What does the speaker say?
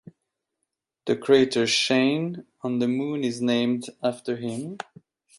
The crater "Shayn" on the Moon is named after him.